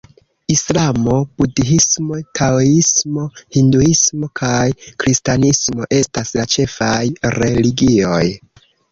Islamo, Budhismo, Taoismo, Hinduismo kaj Kristanismo estas la ĉefaj religioj.